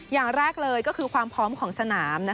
อย่างแรกเลยก็คือความพร้อมของสนาม